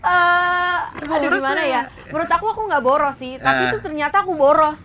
aduh gimana ya menurut aku aku gak boros sih tapi tuh ternyata aku boros